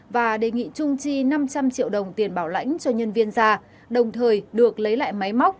và đề nghị trung chi năm trăm linh triệu đồng tiền bảo lãnh cho nhân viên ra đồng thời được lấy lại máy móc